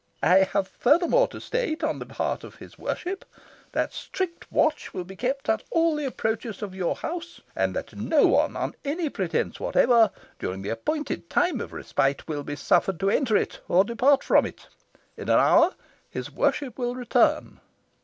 I have furthermore to state, on the part of his worship, that strict watch will be kept at all the approaches of your house, and that no one, on any pretence whatever, during the appointed time of respite, will be suffered to enter it, or depart from it. In an hour his worship will return."